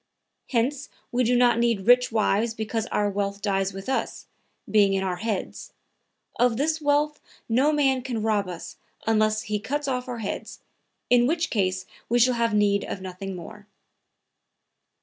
Hence we do not need rich wives because our wealth dies with us, being in our heads. Of this wealth no man can rob us unless he cuts off our heads, in which case we should have need of nothing more."